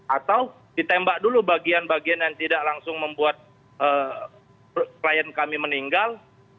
atau ditembak dulu bagian bagian yang tidak langsung membuat klien kami meninggal